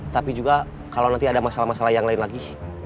tapi juga kalau nanti ada masalah masalah yang lain lagi